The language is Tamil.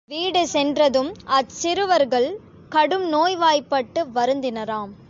வீடு சென்றதும் அச்சிறுவர்கள் கடும் நோய்வாய்ப்பட்டு வருந்தினராம்.